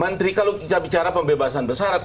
menteri kalau kita bicara pembebasan bersyarat